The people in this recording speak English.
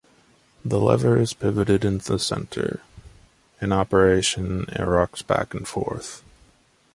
The lever is pivoted in the center; in operation it rocks back and forth.